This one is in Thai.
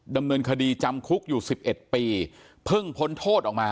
ดำเนินคดีจำคุกอยู่สิบเอ็ดปีเพิ่งพ้นโทษออกมา